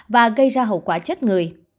và gây ra hậu quả chết người